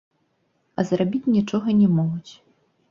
А зрабіць нічога не могуць.